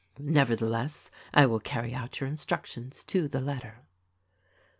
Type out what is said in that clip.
Nevertheless, I will carry out youi instructions to the letter."